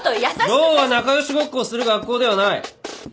ローは仲良しごっこをする学校ではない！